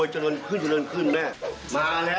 หนึ่งสองสามปะ